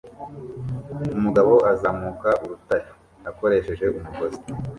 Umugabo azamuka urutare akoresheje umugozi